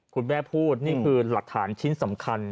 คุณแม่พูดนี่คือหลักฐานชิ้นสำคัญ